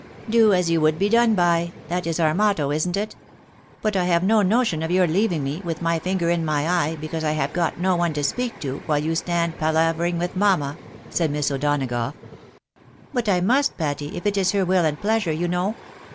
' Do as you would be done by,' that is our motto, isn't it ? But I have no notion of your leaving me, with my finger in piy eye, because I have got no one to speak to, while you stand palavering with mamma," said Miss O'Donagough. " But I must, Patty, if it is her wiU and pleasure, you know.